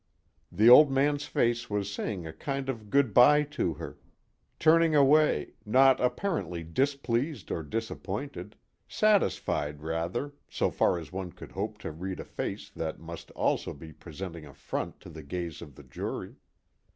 _ The Old Man's face was saying a kind of good bye to her, turning away, not apparently displeased or disappointed satisfied rather, so far as one could hope to read a face that must also be presenting a front to the gaze of the jury.